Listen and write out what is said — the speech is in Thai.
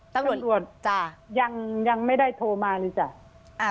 ตำรวจจ้ะยังไม่ได้โทรมาเลยจ้ะ